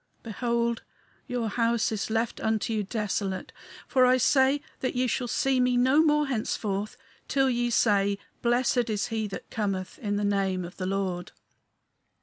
Behold, your house is left unto you desolate, for I say that ye shall see me no more henceforth till ye say, Blessed is he that cometh in the name of the Lord."